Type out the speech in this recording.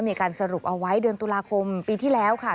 มีการสรุปเอาไว้เดือนตุลาคมปีที่แล้วค่ะ